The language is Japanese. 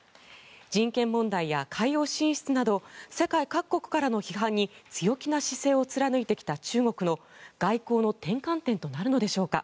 人権問題や海洋進出など世界各国からの批判に強気な姿勢を貫いてきた中国の外交の転換点となるのでしょうか。